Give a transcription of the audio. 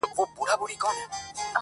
له هر رنګه پکښي پټ ول فسادونه -